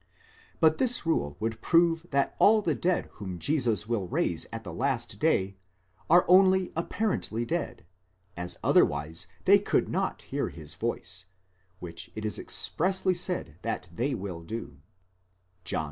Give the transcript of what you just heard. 4* But this rule would prove that all the dead whom Christ will raise at the last day are only apparently dead, as other wise they could not 'hear his voice, which it is expressly said they will do 11 Comp.